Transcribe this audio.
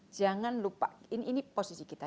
jangan lupa ini posisi kita